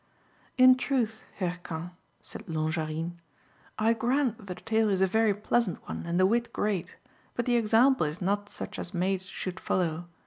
"In truth, Hircan," said Longarine, "I grant that the tale is a very pleasant one and the wit great, but the example is not such as maids should follow.